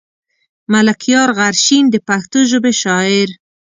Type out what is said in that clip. ملکيار غرشين د پښتو ژبې شاعر.